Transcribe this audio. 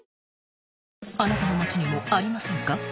［あなたの町にもありませんか？